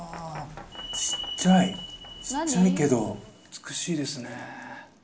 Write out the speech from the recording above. ちっちゃいちっちゃいけど美しいですね